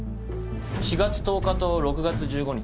４月１０日と６月１５日。